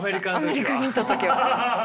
アメリカにいた時は。